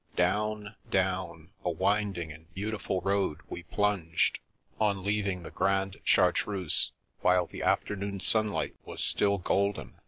Down, down a winding and beautiful road we plunged, on leaving the Grande Chartreuse, while the afternoon sunlight was still golden.